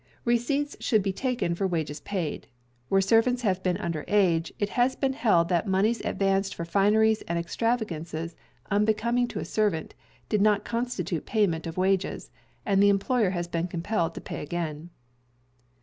Receipts should be taken for Wages paid. Where servants have been under age, it has been held that moneys advanced for fineries and extravagances unbecoming to a servant did not constitute payment of wages, and the employer has been compelled to pay again.